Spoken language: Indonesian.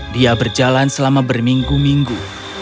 dia berjalan selama berminggu minggu